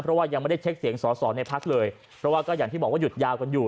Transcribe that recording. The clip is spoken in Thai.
เพราะว่ายังไม่ได้เช็คเสียงสอสอในพักเลยเพราะว่าก็อย่างที่บอกว่าหยุดยาวกันอยู่